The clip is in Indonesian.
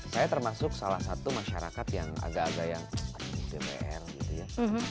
saya termasuk salah satu masyarakat yang agak agak yang aktif di dpr gitu ya